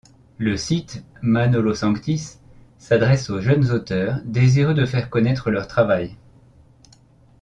Le site de manolosanctis s’adresse aux jeunes auteurs désireux de faire connaître leur travail.